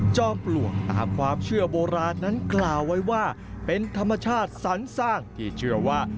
ปลวกตามความเชื่อโบราณนั้นกล่าวไว้ว่าเป็นธรรมชาติสรรสร้างที่เชื่อว่า